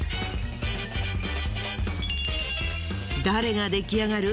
誰が出来上がる？